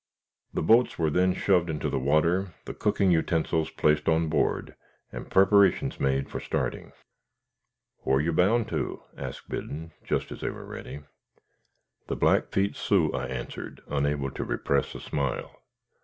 The boats were then shoved into the water, the cooking utensils placed on board, and preparations made for starting. "Whar you bound to?" asked Biddon, just as they were ready. "The Blackfeet Sioux," I answered, unable to repress a smile.